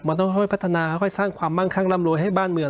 มันต้องค่อยพัฒนาค่อยสร้างความมั่งคั่งร่ำรวยให้บ้านเมือง